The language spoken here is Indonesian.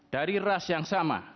dari ras yang sama